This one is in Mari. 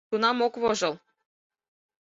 Тунам ок вожыл.